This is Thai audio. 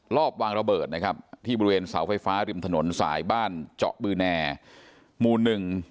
รอบวางระเบิดที่บริเวณสาวไฟฟ้าริมถนนสายบ้านเจาะบืนแนร์มูล๑